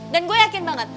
dan gua yakin banget